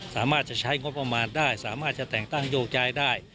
สามารถจะใช้งบประมาณได้สามารถจะแต่งตั้งโยกย้ายได้